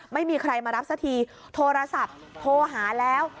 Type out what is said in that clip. ไม่มีใครมารับสักทีโทรศัพท์โทรหาแล้ว